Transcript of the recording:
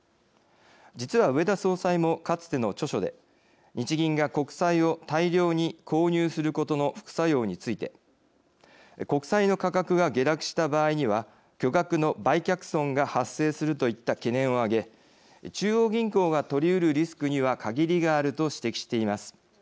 実は植田総裁もかつての著書で日銀が国債を大量に購入することの副作用について国債の価格が下落した場合には巨額の売却損が発生するといった懸念を挙げ中央銀行がとりうるリスクには限りがあると指摘しています。